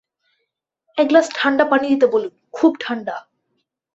এক গ্লাস ঠাণ্ডা পানি দিতে বলুন, খুব ঠাণ্ডা।